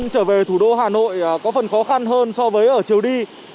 trở về thủ đô hà nội có phần khó khăn hơn so với ở chiều đi